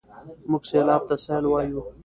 موږ سېلاب ته سېل وايو.